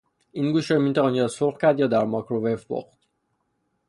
این گوشت را میتوان یا سرخ کرد و یا در مایکروویو پخت.